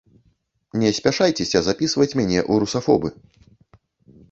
Не спяшайцеся запісваць мяне у русафобы.